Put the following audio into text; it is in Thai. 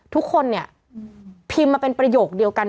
ทุกคนเนี่ยพิมพ์มาเป็นประโยคเดียวกัน